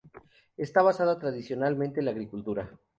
Está basada tradicionalmente en la agricultura.